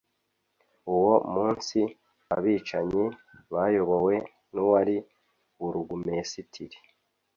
uwo munsi abicanyi bayobowe n’uwari burugumesitiri